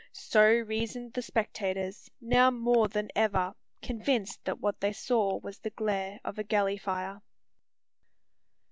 So reasoned the spectators, now more than ever convinced that what they saw was the glare of a galley fire.